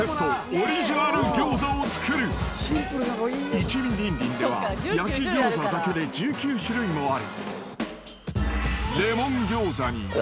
［「一味玲玲」では焼き餃子だけで１９種類もある］